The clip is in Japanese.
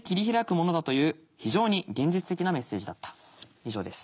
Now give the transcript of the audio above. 以上です。